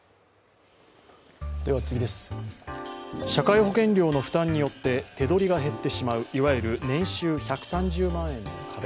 社会保険料の負担によって手取りが減ってしまう、いわゆる年収１３０万円の壁。